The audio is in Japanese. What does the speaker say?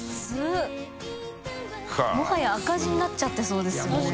發呂赤字になっちゃってそうですもんね。